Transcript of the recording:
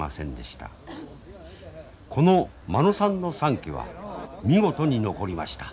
この間野さんの三色は見事に残りました。